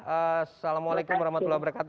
assalamualaikum wr wb salam sehat